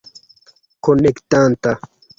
Konektanta